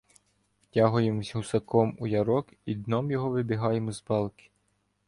Втягуємося гусаком у ярок і дном його вибігаємо з балки.